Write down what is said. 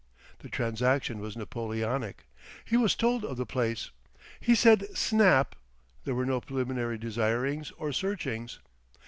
The transaction was Napoleonic; he was told of the place; he said "snap"; there were no preliminary desirings or searchings.